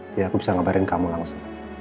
jadi aku bisa ngabarin kamu langsung